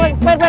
per per per